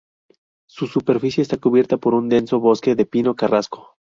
Su superficie está cubierta por un denso bosque de pino carrasco.